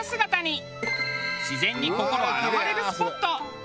自然に心洗われるスポット。